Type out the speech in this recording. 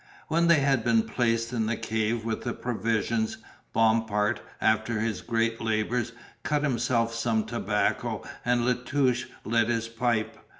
When they had been placed in the cave with the provisions, Bompard, after his great labours, cut himself some tobacco and La Touche lit his pipe.